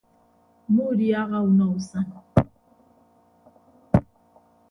Mmuudiaha unọ usan.